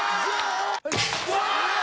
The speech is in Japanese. うわ！